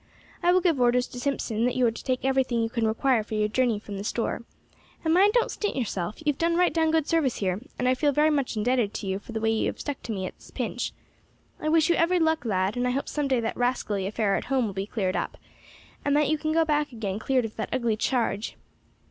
I will give orders to Simpson that you are to take everything you can require for your journey from the store, and mind don't stint yourself; you have done right down good service here, and I feel very much indebted to you for the way you have stuck to me at this pinch. I wish you every luck, lad, and I hope some day that rascally affair at home will be cleared up, and that you can go back again cleared of that ugly charge.